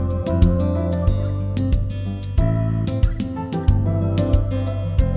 ini yang terbaik